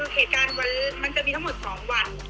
เหตุการณ์มันจะมีทั้งหมด๒วัน